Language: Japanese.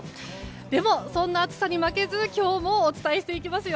でも、そんな暑さに負けず今日もお伝えしていきますよ。